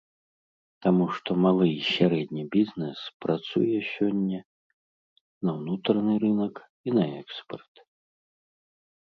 Таму што малы і сярэдні бізнэс працуе сёння на ўнутраны рынак і на экспарт.